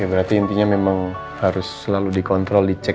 oke berarti intinya memang harus selalu dikontrol dicek ya